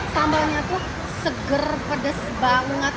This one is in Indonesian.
sambalnya tuh seger pedes banget